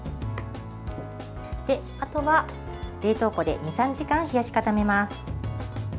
あとは、冷凍庫で２３時間冷やし固めます。